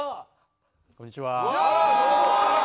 こんにちは。